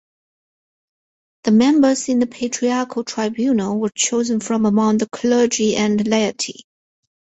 The members in the patriarchal tribunal were chosen from among the clergy and laity.